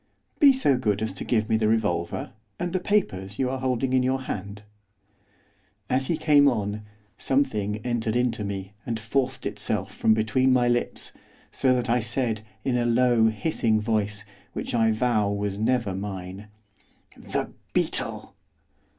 'Be so good as to give me the revolver, and the papers you are holding in your hand.' As he came on, something entered into me, and forced itself from between my lips, so that I said, in a low, hissing voice, which I vow was never mine, 'THE BEETLE!